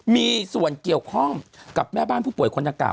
มีส่วนเกี่ยวข้องกับแม่บ้านผู้ป่วยคนดังกล่า